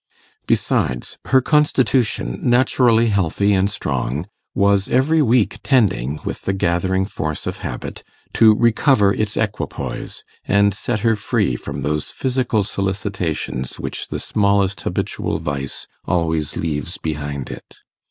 Besides, her constitution, naturally healthy and strong, was every week tending, with the gathering force of habit, to recover its equipoise, and set her free from those physical solicitations which the smallest habitual vice always leaves behind it.